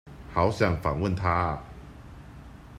好想訪問他啊！